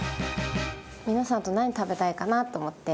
皆さんと何食べたいかなと思って。